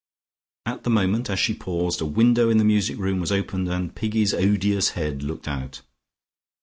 At the moment as she paused, a window in the music room was opened, and Piggy's odious head looked out.